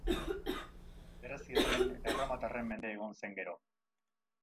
Greziarren eta erromatarren mende egon zen gero.